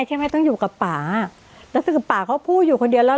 ใช่ไหมต้องอยู่กับป่าแล้วคือป่าเขาพูดอยู่คนเดียวแล้ว